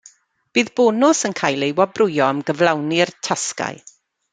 Bydd bonws yn cael ei wobrwyo am gyflawni'r tasgau.